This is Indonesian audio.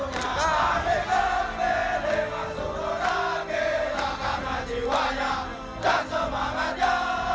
kami kembali lewat surga rakyat akan menjiwanya dan semangatnya